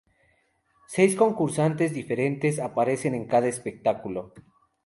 Seis concursantes diferentes aparecen en cada espectáculo.